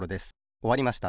おわりました。